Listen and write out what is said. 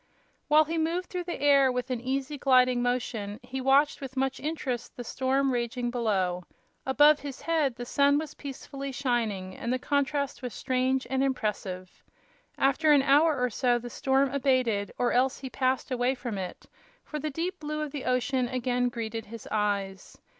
While he moved through the air with an easy, gliding motion he watched with much interest the storm raging below. Above his head the sun was peacefully shining and the contrast was strange and impressive. After an hour or so the storm abated, or else he passed away from it, for the deep blue of the ocean again greeted his eyes.